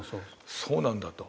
そうなんだと。